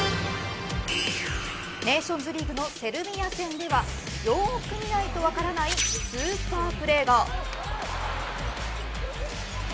ネーションズリーグのセルビア戦ではよーく見ないと分からないスーパープレーが。